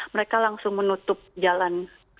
mereka langsung menutup jalan